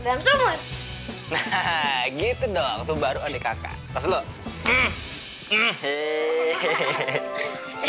dalam sumur nah gitu dong baru adik kakak